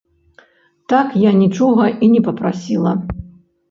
Так я нічога і не папрасіла.